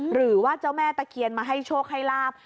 หรือว่าเจ้าแม่ตะเคียนมาให้โชคให้ลาบ